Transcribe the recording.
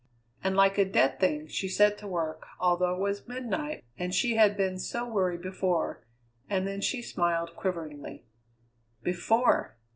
And like a dead thing she set to work, although it was midnight and she had been so weary before; and then she smiled quiveringly: "Before!"